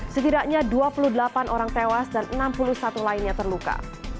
setidaknya dua puluh delapan orang tewas dan enam puluh satu lainnya terluka